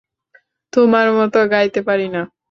তোমার মত গাইতে পারি না।